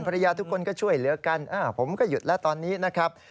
ภรรยาทุกคนก็ช่วยเหลือกันผมก็หยุดแล้วตอนนี้นะครับ